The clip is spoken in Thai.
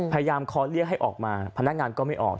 คอเรียกให้ออกมาพนักงานก็ไม่ออก